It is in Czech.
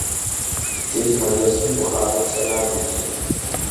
Z jejich manželství pocházelo čtrnáct dětí.